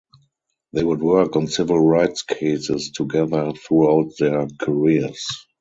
They would work on civil rights cases together throughout their careers.